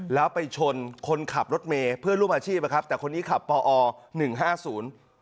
แล้วไปชนคนขับรถเมย์เพื่อนร่วมอาชีพนะครับแต่คนนี้ขับปอหนึ่งห้าศูนย์